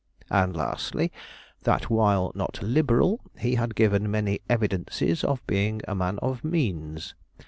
And lastly, that while not liberal, he had given many evidences of being a man of means.